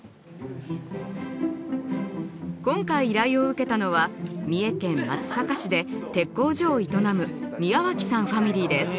今回依頼を受けたのは三重県松阪市で鉄工所を営む宮脇さんファミリーです。